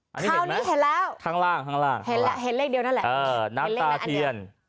คราวนี้เห็นแล้วข้างล่างข้างล่างเห็นแล้วเห็นเลขเดียวนั่นแหละเออน้ำตาเทียน